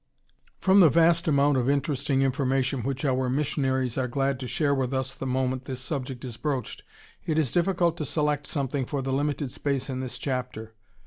] From the vast amount of interesting information which our missionaries are glad to share with us the moment this subject is broached, it is difficult to select something for the limited space in this chapter.